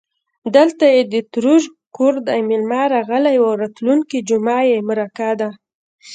_دلته يې د ترور کور دی، مېلمه راغلی و. راتلونکې جومه يې مرکه ده.